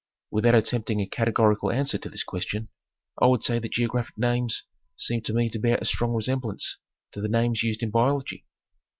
Without attempting a categori cal answer to this question I would say that geographic names seem to me to bear a strong resemblance to the names used in biol ogy.